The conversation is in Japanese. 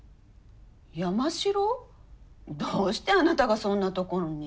どうしてあなたがそんなところに。